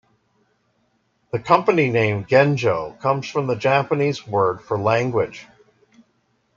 The company name, "Gengo," comes from the Japanese word for "language.